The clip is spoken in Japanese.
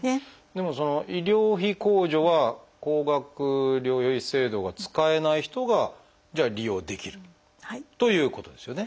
でもその医療費控除は高額療養費制度が使えない人が利用できるということですよね？